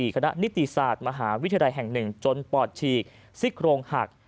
คณะนิติศาสตร์มหาวิทยาลัยแห่ง๑จนปอดฉีกซี่โครงหัก